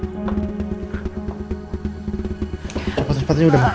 cepat cepat aja udah mak